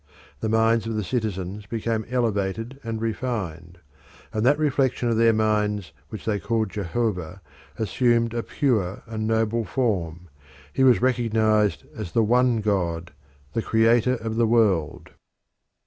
The minds of the citizens became elevated and refined, and that reflection of their minds which they called Jehovah assumed a pure and noble form: he was recognised as the one God, the Creator of the world.